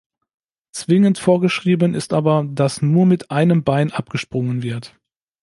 Zwingend vorgeschrieben ist aber, dass nur mit einem Bein abgesprungen wird.